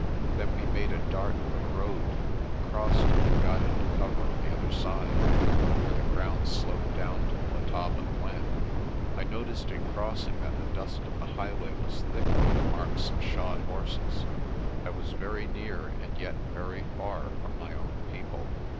Then we made a dart for the road, crossed it, and got into cover on the other side, where the ground sloped down to the Letaba glen. I noticed in cross ing that the dust of the highway was thick with the marks of shod horses. I was very near and yet very far from my own people.